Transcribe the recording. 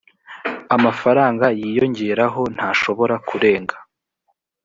amafaranga yiyongeraho ntashobora kurenga